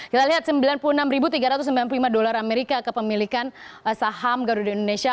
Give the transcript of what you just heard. kita lihat sembilan puluh enam tiga ratus sembilan puluh lima dolar amerika kepemilikan saham garuda indonesia